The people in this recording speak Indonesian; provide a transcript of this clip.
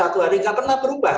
tidak pernah berubah